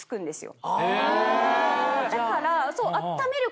だから。